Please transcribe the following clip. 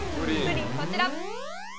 こちら。